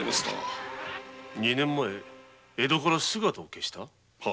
二年前江戸から姿を消した？